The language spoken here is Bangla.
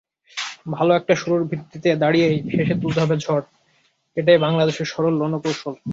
ভালো একটা শুরুর ভিত্তিতে দাঁড়িয়েই শেষে তুলতে হবে ঝড়—এটাই বাংলাদেশের সরল রণকৌশল।